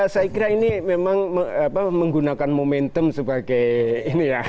saya kira ini memang menggunakan momentum sebagai ini ya